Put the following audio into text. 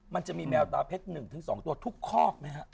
มันจะมีแมวตาเพชร๑๒ตัวทุกคอกไหมฮะ